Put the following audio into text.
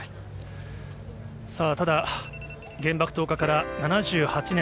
さあ、ただ、原爆投下から７８年。